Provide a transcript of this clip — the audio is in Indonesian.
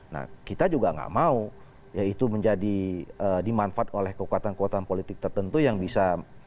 nah kita juga nggak mau ya itu menjadi dimanfaat oleh kekuatan kekuatan politik tertentu yang bisa